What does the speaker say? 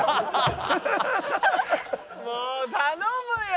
もう頼むよ！